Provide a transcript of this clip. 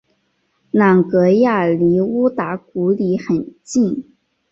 朗格亚离乌达古里很近。